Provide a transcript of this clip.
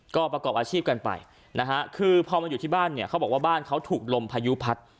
ก็ประกอบอาชีพกันไปนะฮะคือพอมาอยู่ที่บ้านเนี่ยเขาบอกว่าบ้านเขาถูกลมพายุพัด